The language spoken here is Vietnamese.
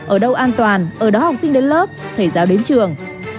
ở đâu an toàn ở đó học sinh đến lớp thể giao đến trường